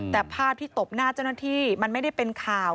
แต่ภาพที่ตบหน้าเจ้าหน้าที่มันไม่ได้เป็นข่าว